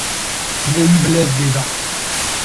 Dilê wî bi lez lê da.